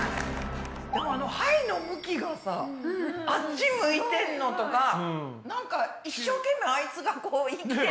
でもあの胚の向きがさあっち向いてんのとかなんか一生懸命あいつがこう生きてる感じ。